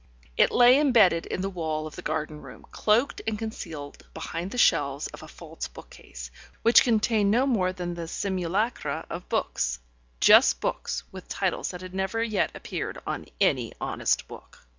It lay embedded in the wall of the garden room, cloaked and concealed behind the shelves of a false book case, which contained no more than the simulacra of books, just books with titles that had never yet appeared on any honest book.